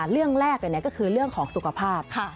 เรื่องแรกก็คือเรื่องของสุขภาพ